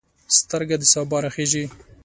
سترګه د سبا راخیژي